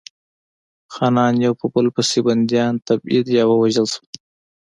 خانان یو په بل پسې بندیان، تبعید یا ووژل شول.